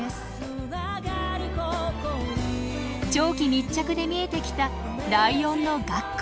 長期密着で見えてきたライオンの学校。